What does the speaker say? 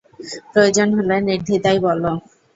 প্রয়োজন হলে নির্ধিদায় বলো।